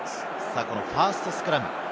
ファーストスクラム。